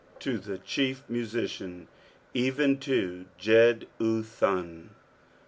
— To the Chief Musician, even to Jedntliim.